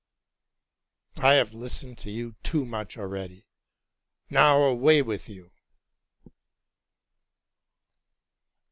''T have listened to you too much already, — now, away with you!